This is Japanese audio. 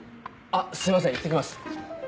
あっすいません行って来ます。